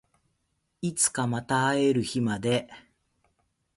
いつかまた会える日まで